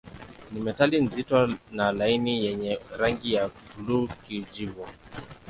Ni metali nzito na laini yenye rangi ya buluu-kijivu.